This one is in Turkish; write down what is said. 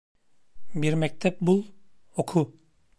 "Bir mektep bul, oku!